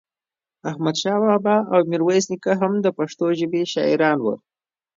احمد شاه بابا او ميرويس نيکه هم دا پښتو ژبې شاعران وو